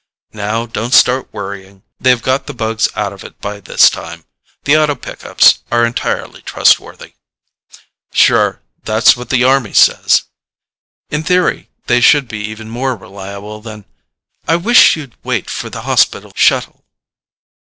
"Now don't start worrying. They have got the bugs out of it by this time. The auto pickups are entirely trustworthy." "Sure, that's what the army says." "In theory they should be even more reliable than " "I wish you'd wait for the hospital shuttle."